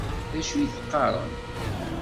D acu i d-teqqaṛem?